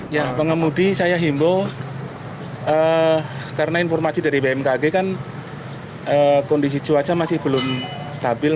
ya pengemudi saya himbau karena informasi dari bmkg kan kondisi cuaca masih belum stabil